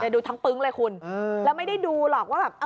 ดูทั้งปึ๊งเลยคุณแล้วไม่ได้ดูหรอกว่าแบบ